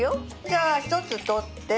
じゃあ１つ取って。